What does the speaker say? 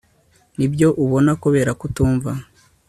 Nibyo ubona kubera kutumva